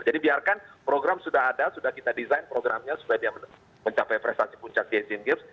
jadi biarkan program sudah ada sudah kita desain programnya supaya dia mencapai prestasi puncak di asian games